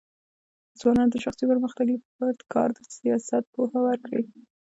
د ځوانانو د شخصي پرمختګ لپاره پکار ده چې سیاست پوهه ورکړي.